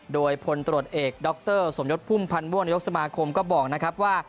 โดยพลตรวจเอกดรสมยศพุ่มพันธ์ม่วงนายกสมาคมก็บอกนะครับว่า